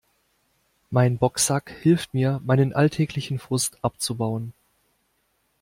Mein Boxsack hilft mir, meinen alltäglichen Frust abzubauen.